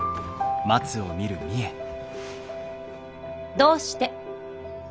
どうして？